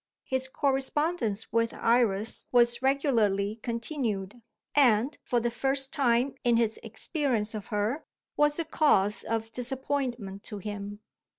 His correspondence with Iris was regularly continued; and, for the first time in his experience of her, was a cause of disappointment to him.